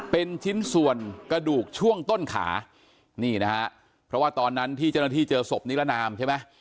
เป็นชิ้นส่วนกระดูกช่วงต้นขานี่นะฮะเพราะว่าตอนนั้นที่เจ้าหน้าที่เจอศพนิรนามใช่ไหม